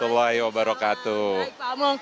baik pak amung